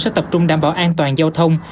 sẽ tập trung đảm bảo an toàn giao thông